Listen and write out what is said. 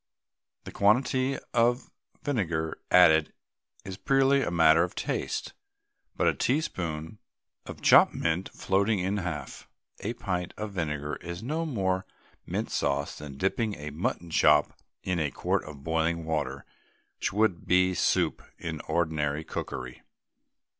The quantity of vinegar added is purely a matter of taste, but a teaspoonful of chopped mint floating in half a pint of vinegar is no more mint sauce than dipping a mutton chop in a quart of boiling water would be soup in ordinary cookery.